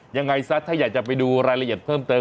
ยังไงซะถ้าอยากจะไปดูรายละเอียดเพิ่มเติม